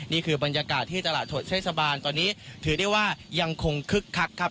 นี่คือบรรยากาศที่ตลาดสดเทศบาลตอนนี้ถือได้ว่ายังคงคึกคักครับ